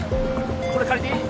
これ借りていい？